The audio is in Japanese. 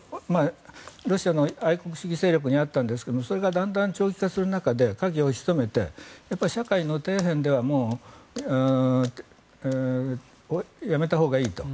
ロシアの愛国主義勢力にあったんですがそれがだんだん長期化する中で影を潜めて社会の底辺ではやめたほうがいいと。